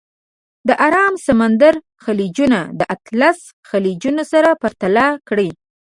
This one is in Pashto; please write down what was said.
د ارام سمندر خلیجونه د اطلس خلیجونه سره پرتله کړئ.